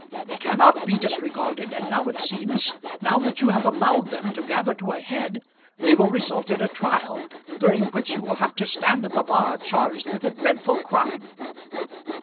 They cannot be disregarded, and now it seems, now that you have allowed them to gather to a head, they will result in a trial, during which you will have to stand at the bar charged with a dreadful crime."